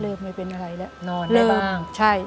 อเรนนี่คือเหตุการณ์เริ่มต้นหลอนช่วงแรกแล้วมีอะไรอีก